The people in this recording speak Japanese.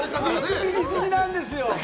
見くびりすぎなんですよ！